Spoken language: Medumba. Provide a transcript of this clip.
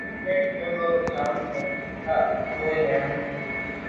Mvə̌ cúp mbə̄ ká bù brók á lá mbrə̀ bú bə̂ nyə̀m.